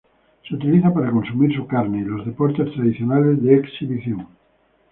Se utiliza para consumir su carne, y los deportes tradicionales de exhibición.